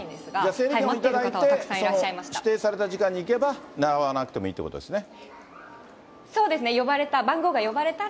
整理券を頂いて、指定された時間に行けば並ばなくてもいいということですね。